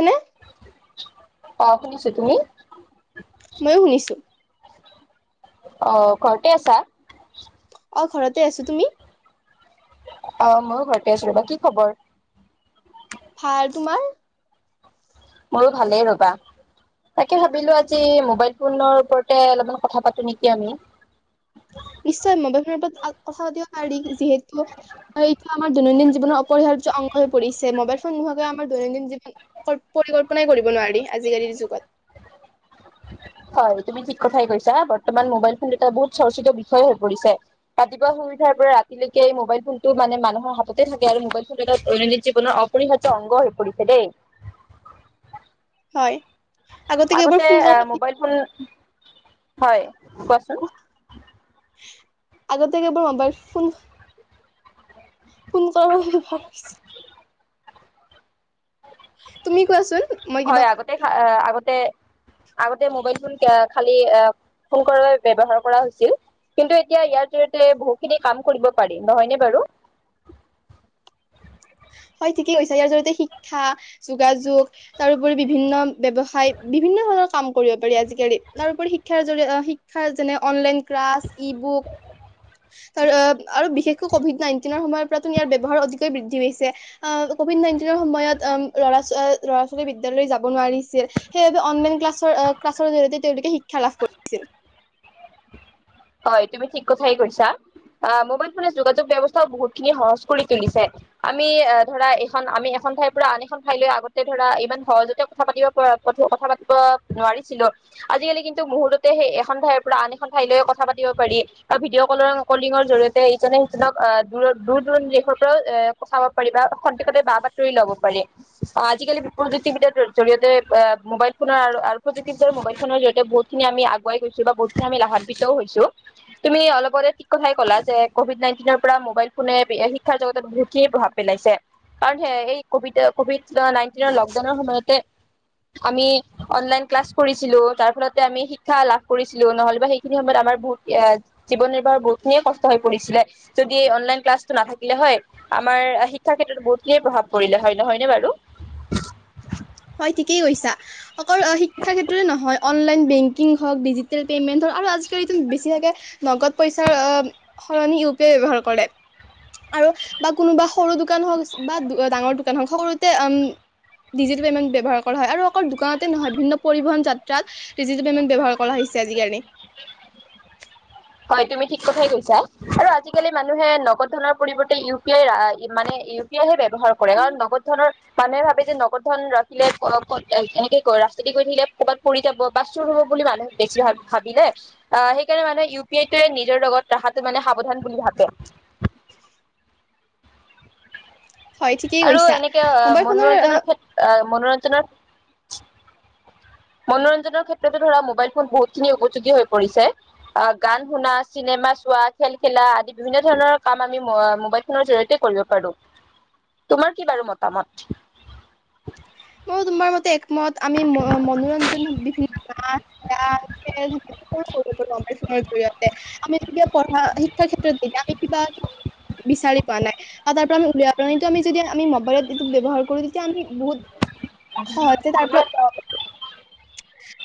নে [unintelligible] অঁ শুনিছো তুমি। ময়ো শুনিছো। অঁ ঘৰতে আছা? অঁ ঘৰতে আছো। তুমি? অঁ ময়ো ঘৰতে আছো ৰ'বা। কি খবৰ? ভাল। তোমাৰ? মোৰো ভালেই ৰ'বা। তাকে ভাবিলো আজি মোবাইল ফোনৰ ওপৰতে অলপমান কথা পাতো নেকি আমি? নিশ্চয় মোবাইল ফোনৰ ওপৰত কথা পাতিব পাৰি, যিহেতু এইটো আমাৰ দৈনন্দিন জীৱনৰ অপৰিহাৰ্য অংগ হৈ পৰিছে। মোবাইল ফোন নোহোৱাকৈ আমাৰ দৈনন্দিন জীৱন পৰিকল্পনাই কৰিব নোৱাৰি, আজিকালিৰ যুগত। হয় তুমি ঠিক কথাই কৈছা, বৰ্তমান মোবাইল ফোন এটা বহুত চৰ্চিত বিষয় হৈ পৰিছে, ৰাতিপুৱা শুই উঠাৰ পৰা ৰাতিলৈকে এই মোবাইল ফোনটো মানে মানুহৰ হাততে থাকে আৰু মোবাইল ফোনটো এটা দৈনন্দিন জীৱনৰ অপৰিহাৰ্য অংগ হৈ পৰিছে দেই। হয়। কেৱল আগতে ফোন এ কৰা মোবাইল ফোন হয়। কোৱাচোন। আগতে [unintelligible] মোবাইল ফোন। [unintelligible] তুমি কোৱাচোন মই কিবা হয় আগতে এ আগতে আগতে মবাইল ফোন খালি এ ফোন কৰিবলৈ ব্যৱহাৰ কৰা হৈছিল। কিন্তু এতিয়া ইয়াৰ জৰিয়তে বহুখিনি কাম কৰিব পাৰি। নহয়নে বাৰু? হয় ঠিকেই কৈছা, ইয়াৰ জৰি়য়তে শিক্ষা, যোগাযোগ তাৰোপৰি বিভিন্ন ব্যৱসায় বিভিন্ন ধৰণৰ কাম কৰিব পাৰি আজিকালি। তাৰোপৰি শিক্ষাৰ জৰিয়তে অ শিক্ষাৰ যেনে অনলাইন ক্লাছ ই বুক ত আৰু বিশেষকৈ কভিড নাইনটিনৰ সময় পৰা ইয়াৰ ব্যৱহাৰ অতিকৈ বৃদ্ধি পাইছে। অ কভিড নাইনটিনৰ সময়ত ল'ৰা ল'ৰা ছোৱালী বিদ্যালয় যাব নোৱাৰিছিল, সেইবাবে অনলাইন ক্লাছৰ ক্লাছৰ জৰিয়তে তেওঁলোকে শিক্ষা লাভ কৰিছিল। হয় তুমি ঠিক কথাই কৈছা, আ মোবাইল ফোনে যোগাযোগ ব্যবস্থাও বহুত খিনি সহজ কৰি তুলিছে। আমি ধৰা এখন আমি এখন ঠাইৰ পৰা আন এখন ঠাইলৈ আগতে ধৰা ইমান সহজতে কথা পাতিব কথা পাতিব নোৱাৰিছিলো। আজিকালি কিন্তু মুহুৰ্ততে সেই এখন ঠাইৰ পৰা আন এখন ঠাইলৈ কথ কথা পাতিব পাৰি। বা ভিডিঅ' কলৰ কলিঙৰ জৰিয়তে ইজনে সিজনক আ দূৰ দূৰৰ দেশৰ পৰাও এ কথা পাতিব পাৰি বা খন্তেকতে বা বাতৰি ল'ব পাৰি, আ আজিকালি প্ৰযুক্তিবিদাৰ জৰিয়তে মোবাইল ফোনৰ প্ৰযুক্তিবিদাৰ মবাইল ফোনৰ জৰিয়তে বহুতখিনি আমি আগুৱাই গৈছো বা বহুতখিনি আমি লাভান্বিত হৈছোঁ, তুমি অলপ আগতে ঠিক কথাই ক'লা যে, কভিড নাইনটিনৰ পৰা মোবাইল ফোনে শিক্ষাৰ জগতত বহুতখিন প্ৰভাৱ পেলাইছে, কাৰণ স এই কভি কভিড নাইনটিনৰ লকডাউনৰ সময়তে আমি অনলাইন ক্লাছ কৰিছিলো, তাৰ ফলতে আমি শিক্ষা লাভ কৰিছিলো নহ'লেবা খিনি সময়ত আমাৰ বহুত এ জীৱন নিৰ্বাহৰ বহুত খিনিয়ে কষ্ট হৈ পৰিছিলে, যদি অনলাইন ক্লাছটো নাথাকিলে হয় আমাৰ শি ক্ষা ক্ষেত্ৰত বহুত খিনিয়ে প্ৰভাৱ পৰিলে হয়। নহয়নে বাৰু? হয় ঠিকেই কৈছা অকল শিক্ষা ক্ষেত্ৰতে নহয় অনলাইন বেংকিং হওঁক, ডিজিটেল পেইমেণ্ট হওক আৰু আজিকালো বেছিভাগে নগদ পইচাৰ অ সলনি ইউ পি আই ব্যৱহাৰ কৰে। আৰু বা কোনোবা সৰু দোকান হওঁক বা ডাঙৰ দোকান হওক সৰুতে অম ডিজিতেল পেমেন্ট ব্যৱহাৰ কৰা হয়। আৰু অকল দোকানতে নহয় বিভিন্ন পৰিবহন যাত্ৰাত ডিজিতেল পেইমেন্ট ব্যৱহাৰ কৰা হৈছে আজিকালি। হয় তুমি ঠিক কথাই কৈছা আৰু আজিকালি মানুহে নগদ ধনৰ পৰিৱৰ্তে ইউ পি আই মানে ইউ পি আইহে বে হয় কৰে কাৰণ নগদ ধণৰ মানুহে ভাবে যে নগদ ধন ৰাখিলে এনেকে ক ৰাস্তা দি থাকিলে ক'ৰবাত পৰি যাব বা চুৰ হ'ব বুলি মানুহে বেছি ভাবিলে আহ সেইকাৰণে মানুহে ইউ সেইটোৱে নিজৰ লগত ৰখাটো মানে সাৱধান বুলি ভাবে। হয় ঠিকেই আৰু কৈছা এনেকে মোবাইল ফোনৰ মনোৰঞ্জনৰ ক্ষেত্ৰ মনোৰঞ্জনৰ মনোৰঞ্জনৰ ক্ষেত্ৰতো ধৰা মোবাইল ফোন বহুত খিনি উপযোগী হৈ পৰিছে আ গান শুনা চিনেমা চোৱা খেল খেলা আদি বিভিন্ন ধৰণৰ কাম আমি মোবাইল ফোনৰ জৰি়য়তে কৰিব পাৰো, তোমাৰ কি বাৰু মতামত। মইও তোমাৰ মতে মত আমি মনোৰঞ্জন বিভিন্ন নাচ গান খেল [unintelligible] মোবাইল ফোনৰ জৰিয়তে আমি যেতিয়া পঢ়া শিক্ষাৰ ক্ষেত্ৰত যে আমি কিবা বিচাৰি পোৱা নাই বা তাৰ পৰা আমি উলিয়াব পৰা নাই এইটো আমি যেতিয়া আমি মোবাইলত এইটো ব্যৱহাৰ কৰো তেতিয়া আমি বহুত হয় তেতিয়া তাৰ পৰা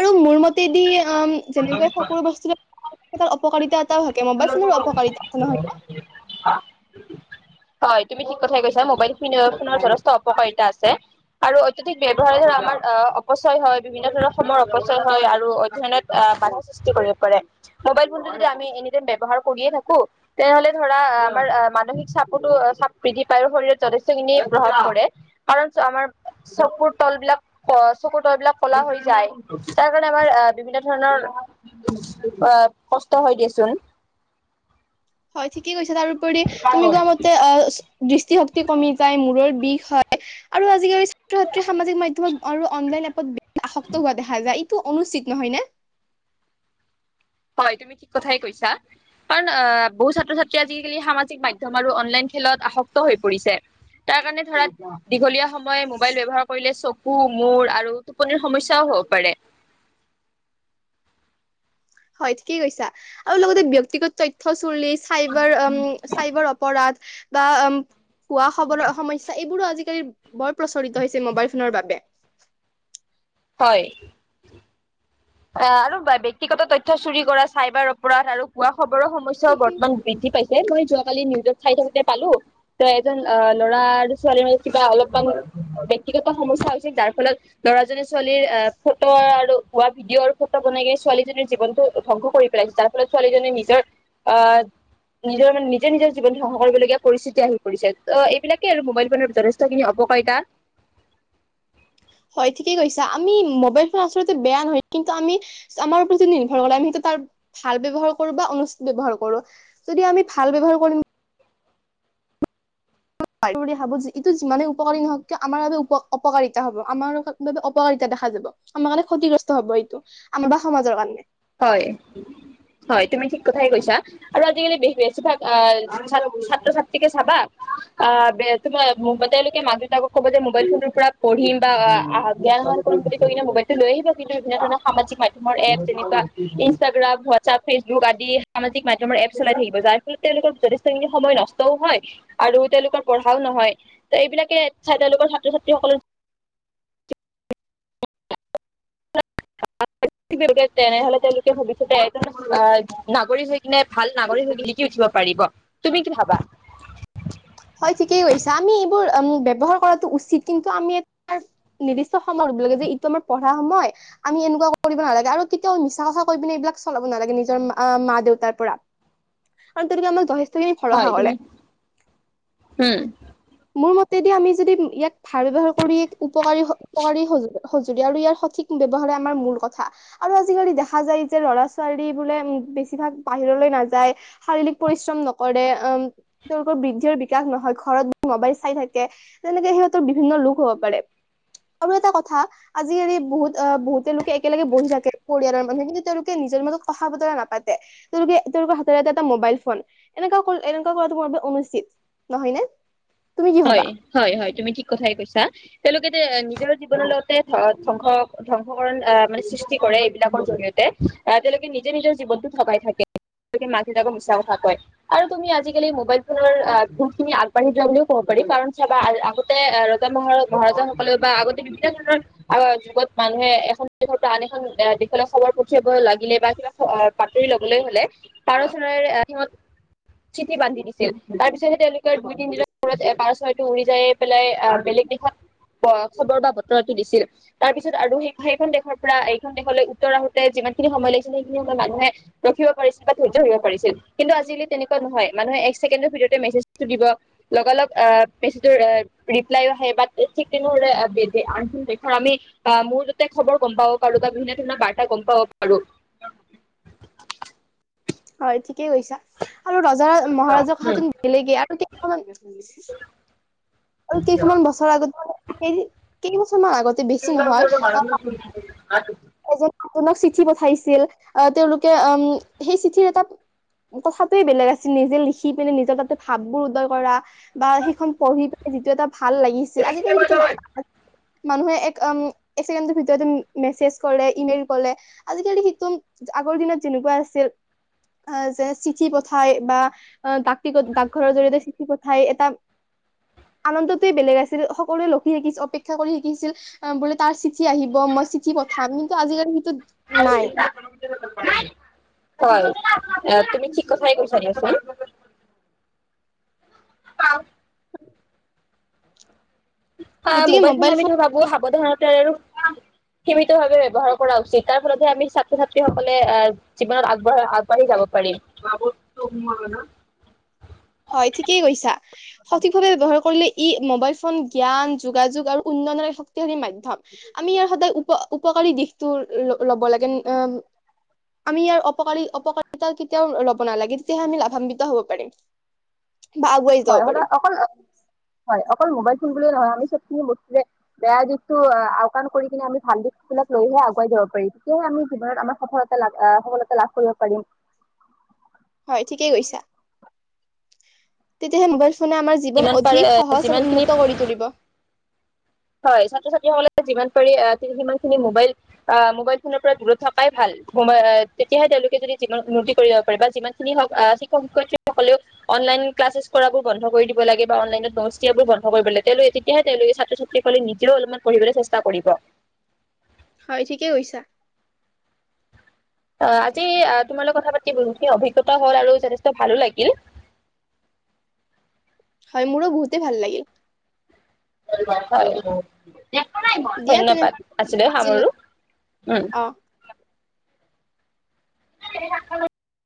আৰু মোৰ মত তেদিয়াম যেনেকৈ সকলো বস্তু যে পাই তাৰ অপকাৰিতাত থাকে মোবাইল ফোনৰ উপকাৰিতা নহয় নে হয় তুমি ঠিক কথাই কৈছা মবাইল ফোনৰ যথেষ্ট অপকাৰিতা আছে আৰু অতিধিক ব্যবহাৰ আমাৰ অপচয় হয় বিভিন্ন ধৰণৰ সময় অপচয় হয় আৰু অধ্যয়নত বাধা সৃষ্টি কৰিব পাৰে মোবাইল ফোনটো যদি আমি এনেই ব্যৱহাৰ কৰিয়ে থাকো তেনেহলে ধৰা আমাৰ মানসিক চাপতো চাপ বৃদ্ধি পায় আৰু শৰীৰত যথেষ্ট খিনি প্ৰভাৱ পৰে কাৰণ আমাৰ চকুৰ তল বিলাক চকুৰ তল বিলাক কলা হৈ যায় তাৰ কাৰণে আমাৰ বিভিন্ন ধৰণৰ অ কষ্ট হয় দিয়াচোন হয় ঠিকেই কৈছে তাৰপৰি তুমি গোৱা মতে অ দৃষ্টিশক্তি কমি যায় মূৰৰ বিষ হয় আৰু আজিকালি ছাত্ৰ ছাত্ৰী সামাজিক মাধ্যমত আৰু অনলাইন এপত আশক্ত হোৱা দেখা যায় টো অনুচিত নহয় নে হয় তুমি ঠিক কথাই কৈছা কাৰণ আহ বহু ছাত্ৰ ছাত্ৰী আজিকালি সামাজিক মাধ্যমত আৰু অনলাইন খেলত আসক্ত হৈ পৰিছে তাৰ কাৰণে ধৰা দীঘলীয়া সময় মোবাইল ব্যৱহাৰ কৰিলে চকু মূৰ আৰু টোপনিৰ সমস্যাও হব পাৰে হয় ঠিকেই কৈছা আৰু লগতে ব্যক্তিগত তথ্য চুলি চাইবাৰ চাইবাৰ অপৰাধ বা অম খোৱা খবৰ সমস্যা এইবোৰো আজিকালি বৰ প্ৰচলিত হৈছে মোবাইল ফোনৰ বাবে হয় অ আৰু ব্যক্তিগত তথ্য চুৰি কৰা চাইবাৰ অপৰাধ আৰু কোৱা খবৰৰ সমস্যও বাবে বৰ্তমান বৃদ্ধি পাইছে ম‌ই জোৱা কালি নিউজত চাই থাকোতে পালো ত এজন অ ল'ৰা আৰু ছোৱালীৰ মাজত কিবা অলপমান ব্যক্তিগত সমস্য হৈছিল যাৰ ফলত ল'ৰাজনে ছোৱালীৰ এ ফটো আৰু হ ভিডিঅ' আৰু ফটো বনাই কিনে ছোৱালীজনীৰ জীৱনটো ধ্বংস কৰি পেলাইছে যাৰ ফলত ছোৱালীজনীয়ে নিজৰ আহ নিজৰ মানে নিজৰ নিজৰ জীৱন ধ্বংস কৰিবলগীয়া পৰিস্থিতি আহি পৰিছে ত এইবিলাকেই আৰু মোবাইল ফোনৰ যথেষ্ট খিনি অপকাৰিতা হয় ঠিকে কৈছা আমি মোবাইল ফোন আচলতে বেয়া নহয় কিন্তু আমি আমাৰ ওপৰত যদি নিৰ্ভৰ কৰে আমি সেইটো তাৰ ভাল ব্যৱহাৰ কৰো বা অনুচত ব্যৱহাৰ কৰো যদি আমি ভাল ব্যৱহাৰ কৰিম হাব ইটো যিমানে উপকাৰী নহওক কিয় আমাৰ বাবে অপকাৰিতা হব আমাৰ বাবে অপকাৰিতা দেখা যাব আমাৰ কাৰণে ক্ষতিগ্ৰস্ত হব এইটো আমাৰ বা সমাজৰ কাৰণে হয় হয় তুমি ঠিক কথাই কৈছা আৰু আজিকালি বেছিভাগ ছাত্ৰ ছাত্ৰীকে চাবা আহ তমাৰ তেওঁলোকে মাক দেউতাকক ক'ব যে মোবাইল ফোনটোৰ পৰা পঢ়িম বা জ্ঞান আহৰণ কৰিম বুলি কি মোবাইলটো লৈ আহিবা কিন্তু বিভিন্ন ধৰণৰ সাজিক মাধ্যমৰ এপ তেনেকুৱা ইনষ্টাগ্ৰাম হোৱাটছআাপ ফেচবুক আদি সামাজিক মাধ্যমৰ এপ চলাই থাকিব যাৰ ফলত তেওঁলোকৰ যথেষ্টখিনি সময় নষ্টও হয় আৰু তেওঁলোকৰ পঢ়াও নহয় ত এইবিলাকে চাই তেওঁলোকৰ ছাত্ৰ ছাত্ৰীসকলৰ তেনেহলে তেওঁলোকে ভৱিষ্যতে এজন নাগৰিক হৈ কিনে ভাল নাগৰিক হৈ জিলিকি উঠিব পাৰিব তুমি কি ভাবা? হয় ঠিকেই কৈছা। আমি এইবোৰ উম ব্যৱহাৰ কৰাটো উচিত। কিন্তু আমি নিৰ্দি সময় লাগে যে এইটো আমাৰ প সময় আমি এনেকুৱা কৰিব নালাগে। আৰু কেতিয়াও মিছা কচা কৈ পিনে এইবিলাক চলাব নালাগে নিজৰ মা দেউতাৰ পৰা। আৰু তেনেকে আমাক যথে ত খিনি ভৰসা কৰে। হম মোৰ মতেদি আমি যদি ইয়াক ধাৰ ব্যৱহাৰ কৰি উপকাৰী উপকাৰী সজ সজৰি। আৰু ইয়াৰ সঠিক ব্যৱহাৰে আমাৰ মূল কথা। আৰু আজিকালি দেখা যায় যে ল'ৰা ছোৱালী বোলে বেছিভাগ বাহিৰলৈ নাযায়, শাৰীৰিক পৰিশ্ৰম নকৰে, উম তেওঁলোকৰ বৃদ্ধিৰ বিকাশ নহয় ঘৰত মোবাইল চাই থাকে, তেনেকে সিহঁতৰ বিভিন্ন লোক হ'ব পাৰে। আৰু এটা কথা আজিকালি বহুত বহুতে লোকে একেলগে বহি থাকে পৰিয়ালৰ মানুহে কিন্তু তেওঁলোকে নিজৰ মাজত কথা বতৰা নাপাতে। তেওঁলোকে তেওঁলোকৰ হাতত এটা এটা মোবাইল ফোন এনেকুৱা এনেকুৱা কৰাটো মোৰ বাবে অনুচিত নহয়নে? তুমি কি ভাবা হয় হয় হয়, তুমি ঠিক কথাই কৈছা। তেওঁলোকে নিজৰ জীৱনৰ লগতে ধ ধ্বংস ধ্বংসকৰণ আহ মানে সৃষ্টি কৰে এইবিলাকৰ জৰিয়তে। আহ তেওঁলোকে নিজে নিজৰ জীৱনতো ঠগাই থাকে, তেওঁলোকে মাক দেউতাকক মিছা কথা কয়। আৰু তুমি আজিকালি মোবাইল ফোনৰ আহ বহুত খিনি আগবাঢ়ি যোৱা বুলিও কব পাৰি, কাৰণ চাবা আগতে ৰজা মহ মহাৰজাাসকলে বা আগতে বিভিন্ন ধৰণৰ আহ যুগত মানুহে এখন দেশৰ পৰা আন এখন দেশলৈ খবৰ পঠিয়াব লাগিলে বা কিবা বাতৰি লবলৈ হলে পাৰ চৰাই সিহত চিঠি বান্ধি দিছিল তাৰ পিছতহে তেওঁলোকে দুই তিনৰ পাৰ চৰাইটো উৰি যায় পেলাই বেলেগ দেশত খবৰ বা বতৰাটো দিছিল। তাৰ পিছত আৰু সেই সেইখন দেশৰ পৰা এইখন দেশলৈ উত্তৰ আহোতে যিমান খিনি সময় লাগিছিল সেইখিনি সময়ত মানুহে ৰখিব পাৰিছিল বা ধৈৰ্য ধৰিব পাৰিছিল। কিন্তু আজিকালি তেনেকুৱা নহয়। মানুহে এক ছেকেণ্ডৰ ভিতৰতে মেজটো দিব লগালগ আহ পেচটোৰ ৰিপ্লাই আহে বা ঠিক তেনেৰে আনেশৰ আমি আহ মূৰ ততে খবৰ গম পাব পাৰো বা বিভিন্ন ধৰণৰ বাৰ্তা গম পাব পাৰো। হয় ঠিকেই কৈছা। আৰু ৰজা মহাৰাজৰ ক হাতত গেলেগে আৰু কেই আৰু কেইখনমান বছৰ আগতোন সেই [unintelligible] কি মান [unintelligible] যে নতুনক চিঠি পঠাইছিল। তেওঁলোকে উম সেই চিঠিৰ এটা কথাটোয়ে বেলেগ আছিল নিজে লিখি পিনে নিজৰ তাতে ভাব বোৰ উদয় কৰা, বা সেইখন পঢ়ি পিনে যিটো এটা ভাল লাগিছিল আজিকালি সিটো নাপায়। মানুহে এক উম এক চেকেণ্ড ভিতৰতে মেচেজ কৰে, ইমেইল কলে, আজিকালি সিটো আগৰ দিনত যেনেকুৱা আছিল যে চিঠি পঠাই বা ডাক ডাকঘৰৰ জৰিয়তে চিঠি পঠাই এটা আনন্দটোৱে বেলেগ আছিল সকলোৱে লক্ষী শিকিছিল অপেক্ষা কৰি শিকিছিল বোলে তাৰ চিঠি আহিব মই চিঠি প থাম কিন্তু আজিকালিৰ ভিতৰত হয় তুমি ঠিক কথাই কৈছা দিয়া চোন। প [unintelligible] হা মোবাইল ফোন আমি ধো ভাবো সাৱধানতাৰ আৰু সীমিত ভাৱে ব্যয়ৱহাৰ কৰা উচিত। তাৰ ফলতহে আমি ছাত্ৰ ছাত্ৰী সকলে আহ জীৱনত আগবঢ় আগবাঢ়ি যাব পাৰিম হয় ঠিকেই কৈছা সঠিকভাৱে ব্যৱহাৰ কৰিলে ই মোবাইল ফোন জ্ঞান যোগাযোগ আৰু উন্নয়নৰ এক শক্তিশালী মাধ্যম। আমি ইয়াৰ সদায় উপ উপকাৰী দিশতটো ল'ব লাগে আমি ইয়াৰ অপকাৰী অপকাৰিতা কেতিয়াও লব নালাগে। তেতিয়াহে আম লাভান্বিত হ'ব পাৰিম। বা আগুৱাই যাব হয়, পাৰিম সদায় অকল অ হয় অকল মোবাইল ফোন বুলি নহয়, আমি সবখিনি বস্তুৰে বেয়া দিশতটো আওকাণ কৰি কিনে আমি ভাল দিশ বিলাক লৈহে আগুৱাই যাব পাৰিম। তেতিয়াহে আমি জীৱনত আমাৰ সফলতা লা আহ সফলতা লাভ কৰিব পাৰিম। হয় ঠিকেই কৈছা। তেতিয়াহে মোবাইল নে আমাৰ জীৱন যিমান পাৰে অধিক সহজ আৰু যিমানখিনি উন্নত কৰি তুলিব। হয় ছাত্ৰ ছাত্ৰীসকলে যিমান পাৰি সিমান খিনি মোবাইল আহ মোবাইল ফোনৰ পৰা দূৰত থকাই ভাল তেতিয়াহে তেওঁলোকে যদি যিমান উন্নতি কৰিব পাৰে বা যিমানখিনি হওক আহ শিক্ষক শিক্ষয়্ৰীসকলেও অনলাইন ক্লাছেছ কৰাবোৰ বন্ধ কৰি দিব লাগে বা অনলাইনত নস্তিয়াবোৰ বন্ধ কৰিব লাগে তেতিয়ে তেওঁলোকে ছাত্ৰ ছাত্ৰী। স কলে নিজেও অলপমান পঢ়িবলৈ চেষ্টা কৰিব। হয় ঠিকেই কৈছা। অহ আজি তোমাল লগ কথা পাতি বহুতখিনি অভিজ্ঞতা হল আৰু যথেষ্ট ভালো লাগিল। হয় মোৰো বহুতেই ভাল লাগিল। মাংস আনিলো। দিয়া ধন্যবাদ তেনেহলে আছিলে আজিলৈ সামৰো উম। অ। স [unintelligible]